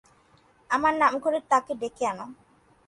আমার নাম করে তাকে ডেকে আনো।